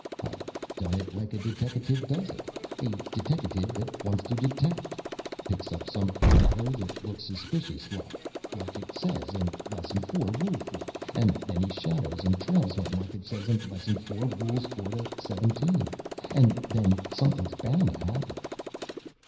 "I done it like a deteckative does it a deteckative that wants to detect picks up some feller that looks suspicious like, like it says in Lesson Four, Rule Four. And then he shadows and trails him, like it says in Lesson Four, Rules Four to Seventeen. And then somethin's bound to happen."